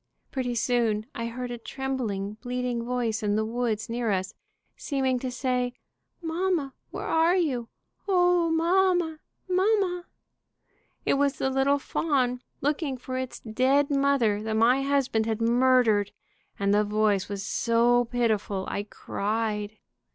Pretty soon I heard a trembling, bleating voice in the woods near us, seeming to say, 'Mamma, where 174 ANOTHER DEER MURDER CASE are you? O, mamma, mamma.' It was the little fawn looking for its dead mother that my husband had murdered, and the voice was so pitiful I cried.